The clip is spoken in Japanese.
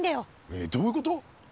えっ？どういうこと？